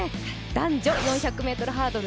男女４００ｍハードル。